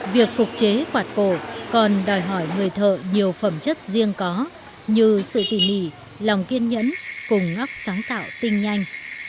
việc phục chế quạt cổ còn đòi hỏi người thợ nhiều phẩm chất riêng có như sự tỉ mỉ lòng kiên nhẫn cùng óc sáng tạo tinh nhanh